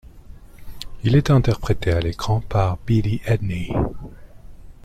Il est interprété à l'écran par Beatie Edney.